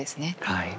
はい。